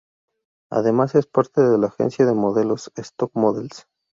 Además es parte de la agencia de modelos "stock models".